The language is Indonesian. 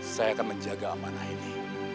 saya akan menjaga amanah ini